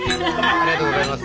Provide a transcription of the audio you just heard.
ありがとうございます。